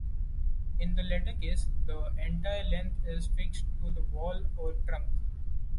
In the latter case, the entire length is fixed to the wall or trunk.